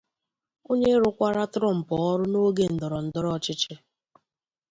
onye rụkwara Trump ọrụ n’oge ndọrọdọrọ ọchịchị